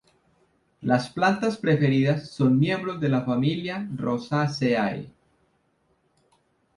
Las plantas preferidas son miembros de la familia Rosaceae.